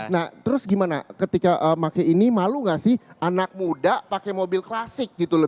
nah terus gimana ketika make ini malu gak sih anak muda pakai mobil klasik gitu loh